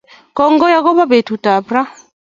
Kongoi akobo betut ab ra